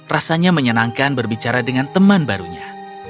rasanya menyenangkan berbicara dengan teman barunya